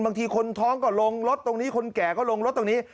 บางทีคนท้องก็ลงรถตรงนี้คนแก่ก็ลงรถตรงนี้